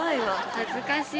恥ずかしい！